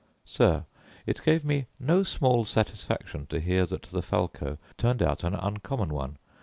Sir, It gave me no small satisfaction to hear that the falco* turned out an uncommon one.